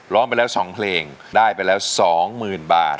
ร้องไปแล้วสองเพลงได้ไปแล้วสองหมื่นบาท